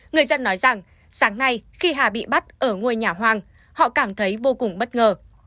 người dân nói rằng sáng nay khi hà bị bắt ở ngôi nhà hoàng họ cảm thấy vô cùng bất ngờ